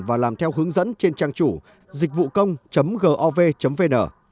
và làm theo hướng dẫn trên trang chủ dịchvucông gov vn